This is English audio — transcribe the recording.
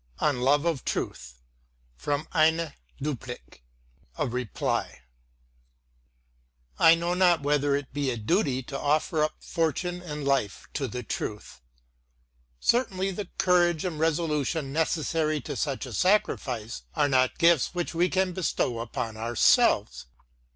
ON LOVE OF TRUTH From < Eine Duplik > I know not whether it be a duty to offer up fortune and life to the truth: certainly the courage and resolution necessary to such a sacrifice are not gifts which we can bestow upon ourselves.